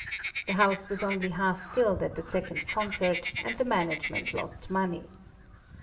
The house was only half filled at the second concert and the management lost money.